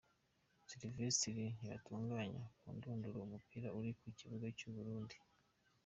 Sylivestre Ntibantunganya, “Ku ndunduro, umupira uri mu kibuga cy’u Burundi”.